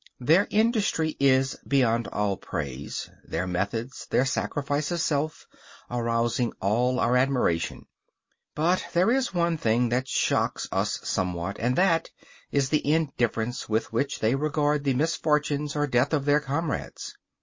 Their industry is beyond all praise; their methods, their sacrifice of self, arouse all our admiration; but there is one thing that shocks us somewhat, and that is the indifference with which they regard the misfortunes or death of their comrades.